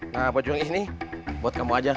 nah baju yang ini buat kamu aja